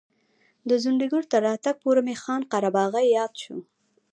د ځونډي ګل تر راتګ پورې مې خان قره باغي یاد شو.